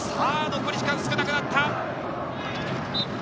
残り時間、少なくなった。